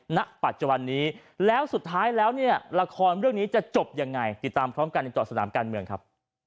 ณปัจจุบันนี้แล้วสุดท้ายแล้วเนี่ยละครเรื่องนี้จะจบยังไงติดตามพร้อมกันในจอดสนามการเมืองครับ